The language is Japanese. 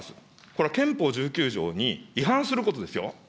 これは憲法１９条に違反することですよ。